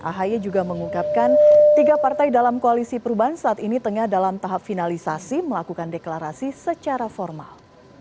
ahy juga mengungkapkan tiga partai dalam koalisi perubahan saat ini tengah dalam tahap finalisasi melakukan deklarasi secara formal